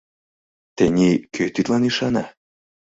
Тений кӧ тидлан ӱшана?